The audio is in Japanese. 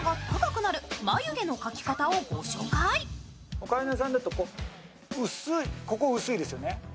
オカリナさんだと、ここ薄いですよね。